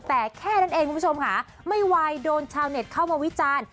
แต่แค่นั้นเองคุณผู้ชมค่ะไม่ไหวโดนชาวเน็ตเข้ามาวิจารณ์